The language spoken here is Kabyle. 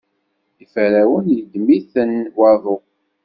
Iferrawen yeddem-ten waḍu.